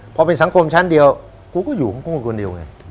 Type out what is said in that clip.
พอเป็นสังคมชั้นเดียวกูก็อยู่ของกูคนเดียวไง